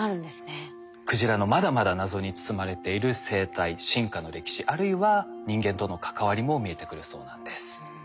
クジラのまだまだ謎に包まれている生態進化の歴史あるいは人間との関わりも見えてくるそうなんです。